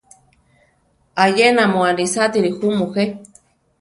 Ayena mu anisátiri ju mujé.